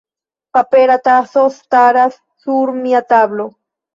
Papera taso staras sur mia tablo.